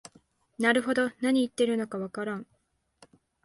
なるほど、なに言ってるのかわからん